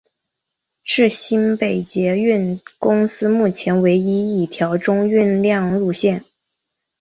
是新北捷运公司目前唯一一条中运量路线。